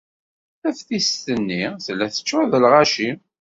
Taftist-nni tella teččuṛ d lɣaci.